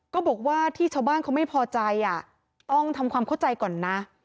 ก็บอกว่าที่ชาวบ้านเขาไม่พอใจต้องทำความเข้าใจก่อนนะ